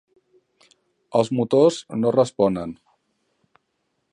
Els motors no responen.